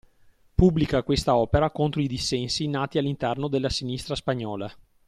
Pubblica questa opera contro i dissensi nati all'interno della sinistra spagnola.